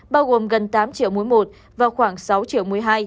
bao gồm gần tám triệu mũi một và khoảng sáu triệu mũi hai